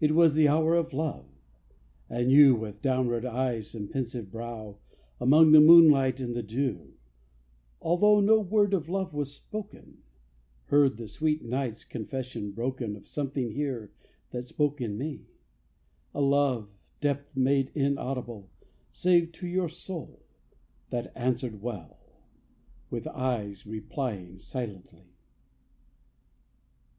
It was the hour of love. And you, With downward eyes and pensive brow, Among the moonlight and the dew, Although no word of love was spoken, Heard the sweet night's confession broken Of something here that spoke in me; A love, depth made inaudible, Save to your soul, that answered well, With eyes replying silently.